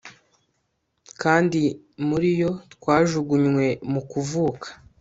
kandi muri yo twajugunywe mu kuvuka